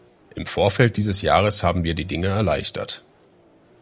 Im Vorfeld dieses Jahres haben wir die Dinge erleichtert.